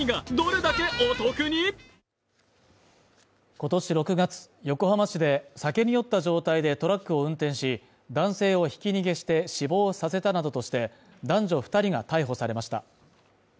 今年６月横浜市で酒に酔った状態でトラックを運転し男性をひき逃げして死亡させたなどとして男女二人が逮捕されました